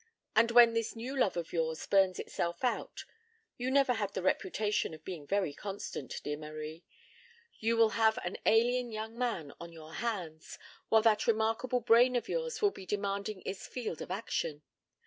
And when this new love of yours burns itself out you never had the reputation of being very constant, dear Marie you will have an alien young man on your hands, while that remarkable brain of yours will be demanding its field of action.